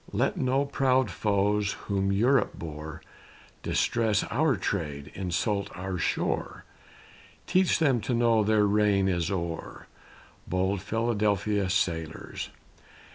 Let no proud foes whom Europe bore, Distress our trade, insult our shore Teach them to know their reign is o'er, Bold Philadelphia sailors!